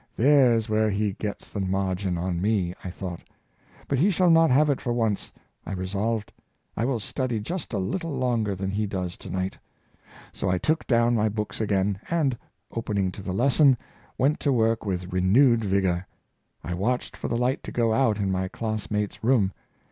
^^ There's where he gets the margin on me," I thought. " But he shall not have it for once," I resolved. " I will study just a little longer than he does to night." So I took down my books again, and, opening to the lesson, went to work with renewed vigor. I watched for the light to go out in my classmate's room.